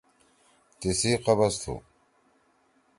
تی سی قبض تُھو۔